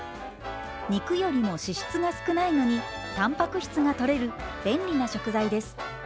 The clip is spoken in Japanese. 肉よりも脂質が少ないのにたんぱく質がとれる便利な食材です。